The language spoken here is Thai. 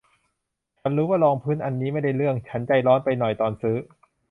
ฉันรู้ว่ารองพื้นอันนี้ไม่ได้เรื่อง ฉันใจร้อนไปหน่อยตอนซื้อ